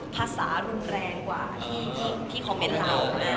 ก็เริ่มละ